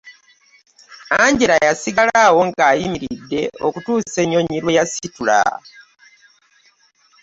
Angela yasigala awo nga ayimiridde okutuusa ennyonyi lwe yasitula.